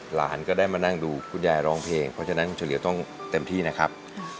หลานก็ได้มานั่งดูคุณยายร้องเพลงเพราะฉะนั้นเฉลี่ยต้องเต็มที่นะครับ